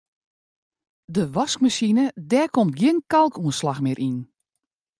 De waskmasine dêr komt gjin kalkoanslach mear yn.